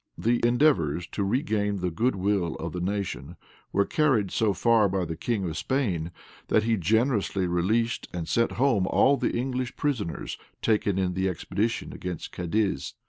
The endeavors to regain the good will of the nation were carried so far by the king of Spain, that he generously released and sent home all the English prisoners taken in the expedition against Cadiz.